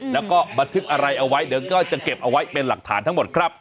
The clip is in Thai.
แล้วก็บันทึกอะไรเอาไว้เดี๋ยวก็จะเก็บเอาไว้เป็นหลักฐานทั้งหมดครับ